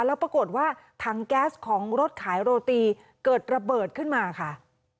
แล้วปรากฏว่าถังแก๊สของรถขายโรตีเกิดระเบิดขึ้นมาค่ะ